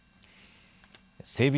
整備